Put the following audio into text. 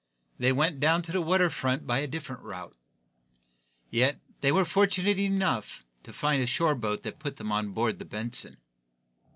They went down to the water front by a different route. Yet they were fortunate enough to find a shore boat that put them out on board the "Benson."